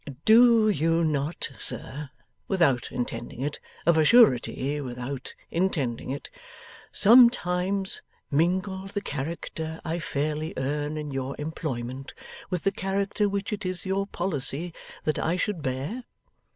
'Do you not, sir without intending it of a surety without intending it sometimes mingle the character I fairly earn in your employment, with the character which it is your policy that I should bear?